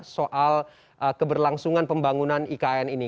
soal keberlangsungan pembangunan ikn ini